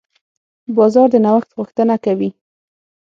بازار د نوښت غوښتنه کوي.